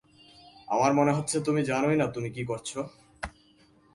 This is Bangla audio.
আমার মনে হচ্ছে তুমি জানোই না তুমি কি করছ?